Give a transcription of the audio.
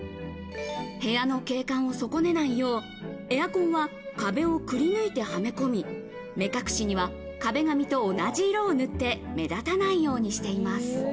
部屋の景観を損ねないよう、エアコンは壁をくりぬいてはめ込み、目隠しには壁紙と同じ色を塗って目立たないようにしています。